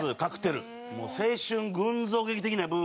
もう青春群像劇的な部分でね。